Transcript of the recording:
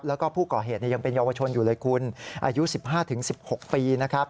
แล้วก็ผู้ก่อเหตุยังเป็นเยาวชนอยู่เลยคุณอายุ๑๕๑๖ปีนะครับ